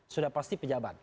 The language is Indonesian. sudah pasti pejabat